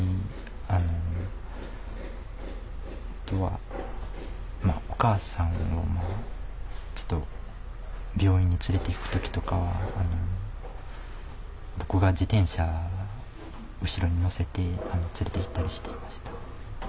あとはお母さんを病院に連れて行く時とかは僕が自転車の後ろに乗せて連れて行ったりしていました。